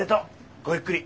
ごゆっくり。